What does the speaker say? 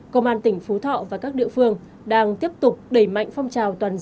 công an tỉnh phú thọ và các địa phương đang tiếp tục đẩy mạnh phong trào